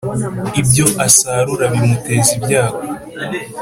ibyo asarura bimuteza ibyago